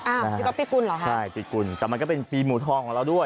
พี่ก๊ปีกุลเหรอฮะใช่ปีกุลแต่มันก็เป็นปีหมูทองของเราด้วย